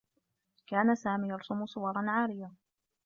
كان سامي يرسم صورا عارية.